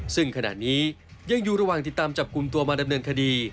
ซึ่งขณะนี้ยังอยู่ระหว่างติดตามจับกลุ่มตัวมาดำเนินคดี